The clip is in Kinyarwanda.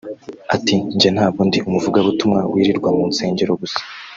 Ati “Njye ntabwo ndi umuvugabutumwa wirirwa mu nsengero gusa